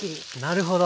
なるほど。